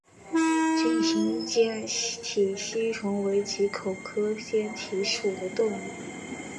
梭形坚体吸虫为棘口科坚体属的动物。